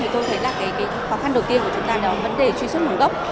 thì tôi thấy là cái khó khăn đầu tiên của chúng ta đó là vấn đề truy xuất nguồn gốc